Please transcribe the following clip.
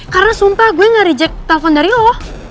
karena sumpah gue gak reject telepon dari lo